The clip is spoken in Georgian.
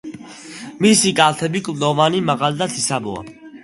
მისი კალთები კლდოვანი, მაღალი და ციცაბოა.